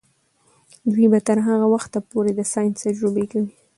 دوی به تر هغه وخته پورې د ساینس تجربې کوي.